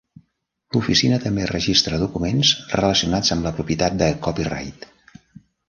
L'oficina també registra documents relacionats amb la propietat de copyright.